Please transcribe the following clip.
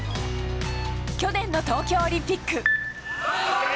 去年の東京オリンピック。